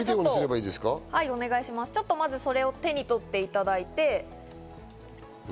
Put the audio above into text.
まずそれを手に取っていただいて。